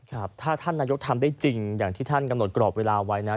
ครับถ้าท่านนายกทำได้จริงอย่างที่ท่านกำหนดกรอบเวลาไว้นะ